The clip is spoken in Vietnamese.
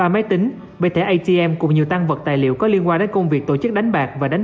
ba máy tính bảy thẻ atm cũng như tăng vật tài liệu có liên quan đến công việc tổ chức đánh bạc và đánh